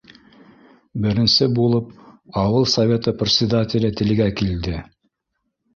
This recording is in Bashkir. Беренсе булып ауыл Советы председателе телгә килде: